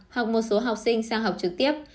học một số học sinh sang học trực tiếp